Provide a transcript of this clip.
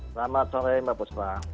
selamat sore mbak buspa